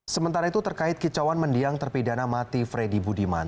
sementara itu terkait kicauan mendiang terpidana mati freddy budiman